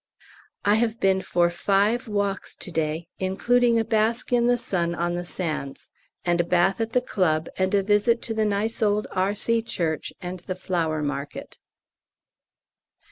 I have been for five walks to day, including a bask in the sun on the sands, and a bath at the Club and a visit to the nice old R.C. church and the flower market.